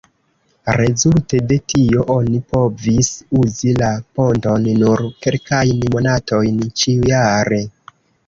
Rezulte de tio, oni povis uzi la ponton nur kelkajn monatojn ĉiujare.